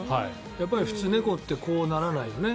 やっぱり普通、猫ってこうならないよね。